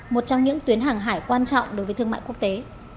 một trong những tuyến hàng hải quan trọng đối với thương mại quốc tế